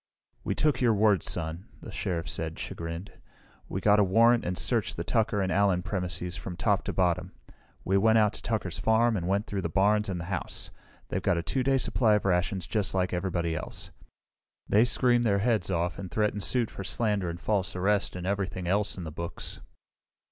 "We took your word, Son," the Sheriff said, chagrined. "We got a warrant and searched the Tucker and Allen premises from top to bottom. We went out to Tucker's farm and went through the barns and the house. They've got a 2 day supply of rations just like everybody else. "They screamed their heads off and threatened suit for slander and false arrest and everything else in the books."